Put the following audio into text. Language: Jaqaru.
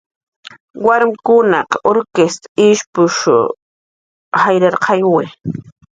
Warmkunaq urkist ishpush jayrarqayawi